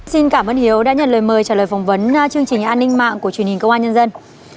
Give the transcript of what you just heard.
xin cảm ơn hiếu đã nhận lời mời trả lời phỏng vấn chương trình an ninh mạng của truyền hình công an nhân dân